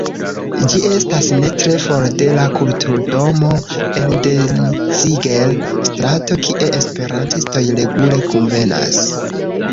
Ĝi estas ne tre for de la Kulturdomo en Danziger-strato, kie esperantistoj regule kunvenas.